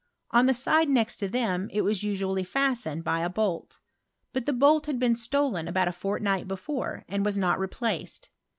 " Ibo Hide next t» thiun it was usually fastened by a boll ; but thp boll hud been stolen abotit a fortnigbfl bi fore, ftnd was nut replaced.